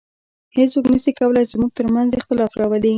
هیڅوک نسي کولای زموږ تر منځ اختلاف راولي